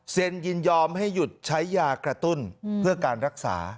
ยินยอมให้หยุดใช้ยากระตุ้นเพื่อการรักษา